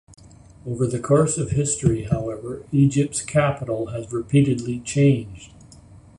Over the course of history, however, Egypt's capital has repeatedly changed.